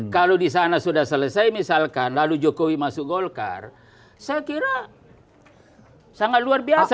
kalau di sana sudah selesai misalkan lalu jokowi masuk golkar saya kira sangat luar biasa